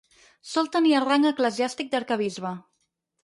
Sol tenir el rang eclesiàstic d'arquebisbe.